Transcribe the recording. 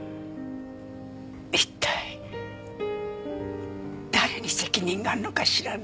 一体誰に責任があるのかしらね。